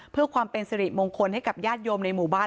เพื่อความเป็นสิริมงคลให้กับญาติโยมในหมู่บ้าน